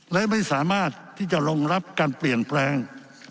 และไม่สามารถที่จะรองรับการเปลี่ยนแปลง